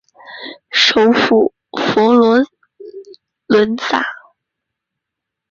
首府佛罗伦萨。